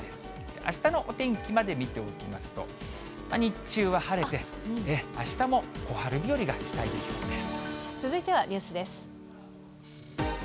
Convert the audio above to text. あしたのお天気まで見ておきますと、日中は晴れて、あしたも小春日和が期待できそうです。